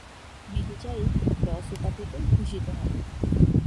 Military Cross উপাধিতে ভূষিত হন।